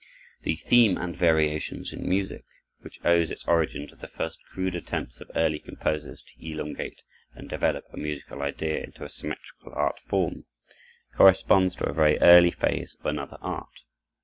The "theme and variations" in music, which owes its origin to the first crude attempts of early composers to elongate and develop a musical idea into a symmetrical art form, corresponds to a very early phase of another art.